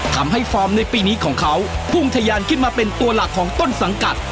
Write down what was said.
ฟอร์มในปีนี้ของเขาพุ่งทะยานขึ้นมาเป็นตัวหลักของต้นสังกัด